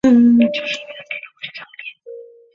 以北宋时的饶洞天为始祖。